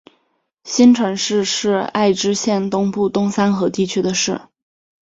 新城市是爱知县东部东三河地区的市。